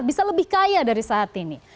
bisa lebih kaya dari saat ini